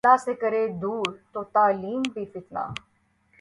اللہ سے کرے دور ، تو تعلیم بھی فتنہ